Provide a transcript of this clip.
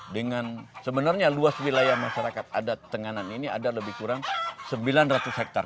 dengan sebenarnya luas wilayah masyarakat adat tenganan ini ada lebih kurang sembilan ratus hektare